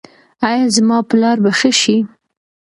ایا زما پلار به ښه شي؟